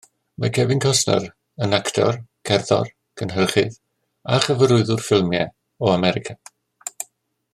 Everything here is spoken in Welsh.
Mae Kevin Costner yn actor, cerddor, cynhyrchydd a chyfarwyddwr ffilmiau o America.